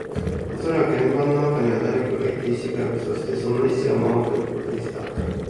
おそらく円盤の中には誰かがいて、意志がある。そして、その意思を魔王と呼ぶことにした。